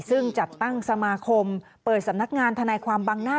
ซึ่งจัดตั้งสมาคมเปิดสำนักงานทนายความบังหน้า